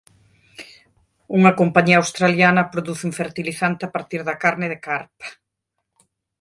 Unha compañía australiana produce un fertilizante a partir da carne de carpa.